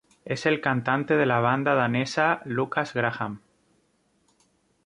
Es el cantante de la banda danesa Lukas Graham.